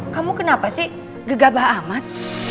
kamu kenapa sih gegabah amat